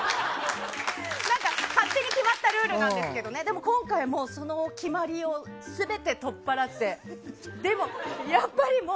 勝手に決まったルールなんですけどその決まりを全て取っ払ってでも、やっぱり。